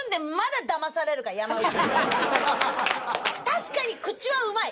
確かに口はうまい。